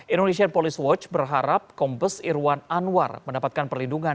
indonesian police watch berharap kombes irwan anwar mendapatkan perlindungan